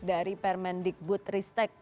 dari permendigbud ristek